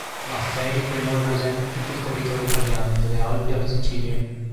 Maffei cognome presente in tutto il territorio italiano, dalle Alpi alla Sicilia.